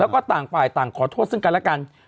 แล้วก็ต่างฝ่ายต่างขอโทษซึ่งกันแล้วกัน